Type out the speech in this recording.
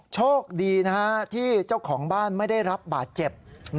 โชคดีที่เจ้าของบ้านไม่ได้รับบาดเจ็บ